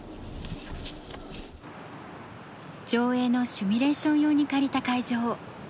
上映のシミュレーション用に借りた会場。